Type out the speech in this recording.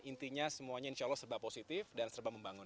intinya semuanya insya allah serba positif dan serba membangun